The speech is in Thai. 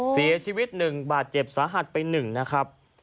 เสียชีวิตหนึ่งบาดเจ็บสาหัสไปหนึ่งนะครับ